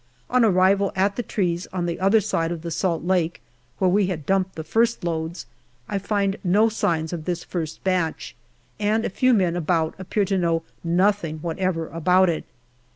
On arrival at the trees on the other side of the Salt Lake, where we had dumped the first loads, I find no signs of this first batch, and a few men about appear to know nothing what ever about it.